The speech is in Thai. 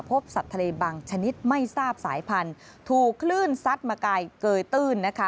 พบสัตว์ทะเลบางชนิดไม่ทราบสายพันธุ์ถูกคลื่นซัดมากายเกยตื้นนะคะ